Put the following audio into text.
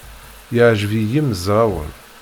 Yeɛjeb i yimezrawen.